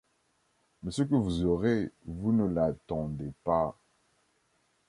Mais ce que vous aurez, vous ne l'attendez pas :